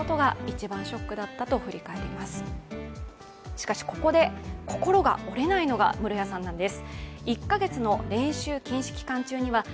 しかし、ここで心が折れないのが室谷さんなんです。